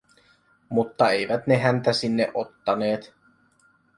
Mutta eivät ne häntä sinne ottaneet.